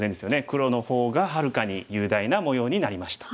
黒の方がはるかに雄大な模様になりました。